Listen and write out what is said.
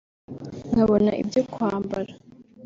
nkabona ibyo kwambara